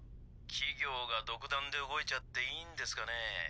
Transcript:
企業が独断で動いちゃっていいんですかねぇ。